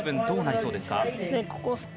どうなりそうですか？